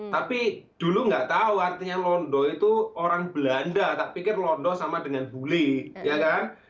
tapi dulu nggak tahu artinya londo itu orang belanda tak pikir londo sama dengan bully ya kan